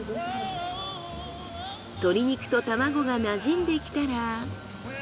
鶏肉と卵がなじんできたら。